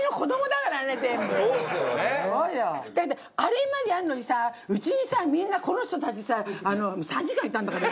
だけどあれまでやるのにさうちにさみんなこの人たちさ３時間いたんだからうちに。